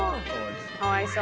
かわいそう。